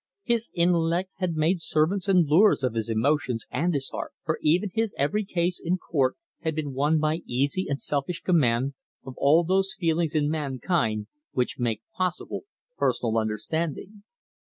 His intellect had made servants and lures of his emotions and his heart, for even his every case in court had been won by easy and selfish command of all those feelings in mankind which make possible personal understanding.